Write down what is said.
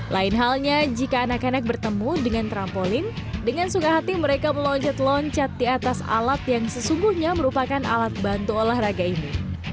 lain halnya jika anak anak bertemu dengan trampolin dengan suka hati mereka meloncat loncat di atas alat yang sesungguhnya merupakan alat bantu olahraga ini